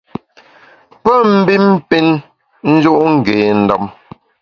Pe mbin pin nju’ ngé ndem.